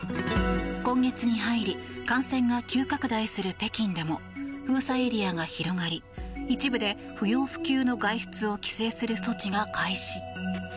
今月に入り感染が急拡大する北京でも封鎖エリアが広がり一部で不要不急の外出を規制する措置が開始。